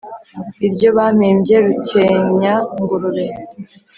Iryo bampimbye Rukenyangurube;